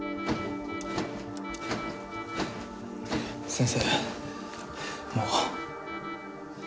先生もう。